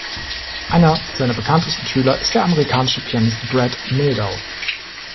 Einer seiner bekanntesten Schüler ist der amerikanische Pianist Brad Mehldau.